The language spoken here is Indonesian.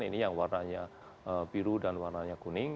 ini yang warnanya biru dan warnanya kuning